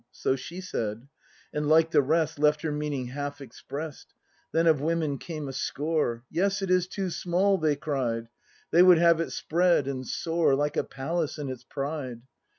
So she said; and like the rest Left her meaning half express'd. Then of women came a score, "Yes, it is too small," they cried; They would have it spread and soar. Like a palace in its pride.